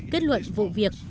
kết luận vụ việc